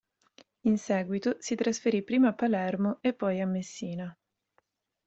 In seguito, si trasferì prima a Palermo e poi a Messina.